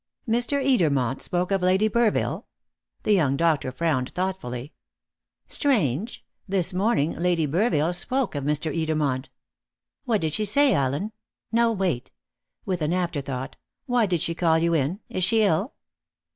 "Mr. Edermont spoke of Lady Burville?" The young doctor frowned thoughtfully. "Strange! This morning Lady Burville spoke of Mr. Edermont." "What did she say, Allen? No, wait" with an afterthought "why did she call you in? Is she ill?"